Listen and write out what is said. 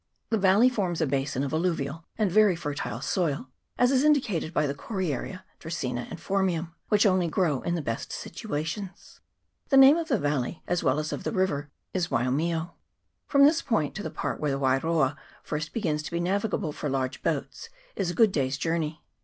The valley forms a basin of alluvial and very fertile soil, as is indicated by the coriaria, draceena, and phormium, which only grow in the best situations. The name of the valley, as well as of the river, is Waiomio. From this point to the part where the Wairoa first begins to be navigable for large beats is a good day's journey.